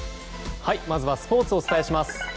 まずはスポーツお伝えします。